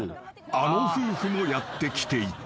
あの夫婦もやって来ていた］